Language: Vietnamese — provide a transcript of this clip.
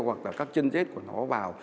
hoặc là các chân rết của nó vào